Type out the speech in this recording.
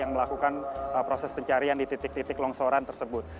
yang melakukan proses pencarian di titik titik longsoran tersebut